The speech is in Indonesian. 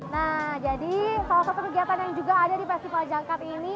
nah jadi salah satu kegiatan yang juga ada di festival jangkat ini